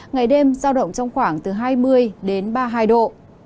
ngày đêm giao động trong khoảng từ hai mươi đến ba mươi hai độ